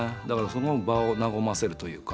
その場を和ませるというか。